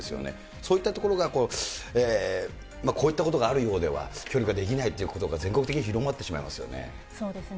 そういったところが、こういったことがあるようでは、協力ができないということが全国的に広まってしまいますよね。